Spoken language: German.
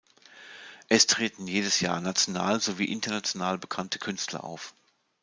Es treten jedes Jahr national sowie international bekannte Künstler auf.